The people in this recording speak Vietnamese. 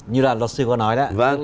như là luật sư có nói đó